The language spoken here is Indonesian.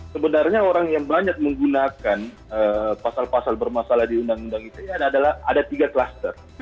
sebenarnya orang yang banyak menggunakan pasal pasal bermasalah di undang undang ite adalah ada tiga kluster